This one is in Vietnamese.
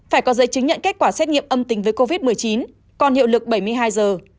phải có giấy chứng nhận kết quả xét nghiệm âm tính với covid một mươi chín còn hiệu lực bảy mươi hai giờ